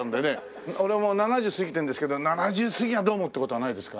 俺もう７０過ぎてんですけど７０過ぎはどうもって事はないですか？